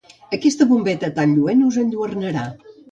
Aquesta bombeta tan potent us enlluernarà.